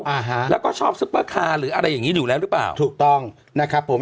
อ่าฮะแล้วก็ชอบซุปเปอร์คาร์หรืออะไรอย่างงี้อยู่แล้วหรือเปล่าถูกต้องนะครับผม